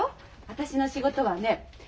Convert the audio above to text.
私の仕事はね